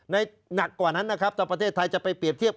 หนักกว่านั้นนะครับถ้าประเทศไทยจะไปเปรียบเทียบ